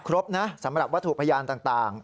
ครบนะสำหรับวัตถุพยานต่าง